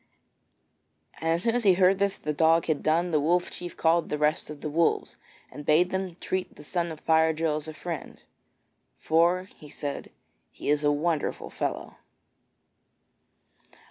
And as soon as he heard this that the dog had done, the Wolf Chief called the rest of the Wolves, and bade them treat the son of Fire drill as a friend, 'for,' said he, 'he is a wonderful fellow.'